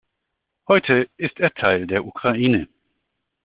Heute ist er Teil der Ukraine.